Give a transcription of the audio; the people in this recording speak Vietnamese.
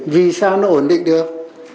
vì sao nó ổn định được